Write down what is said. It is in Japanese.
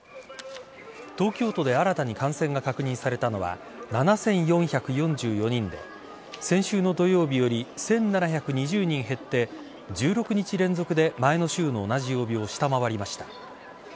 東京都で新たに感染が確認されたのは７４４４人で先週の土曜日より１７２０人減って１６日連続で前の週の同じ曜日を下回りました。